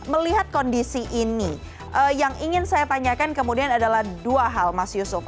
melihat kondisi ini yang ingin saya tanyakan kemudian adalah dua hal mas yusuf